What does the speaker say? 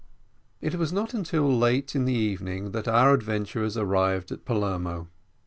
It was not until late in the evening that our adventurers arrived at Palermo.